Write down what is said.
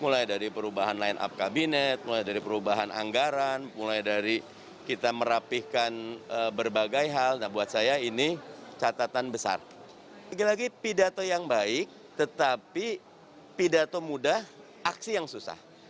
lagi lagi pidato yang baik tetapi pidato mudah aksi yang susah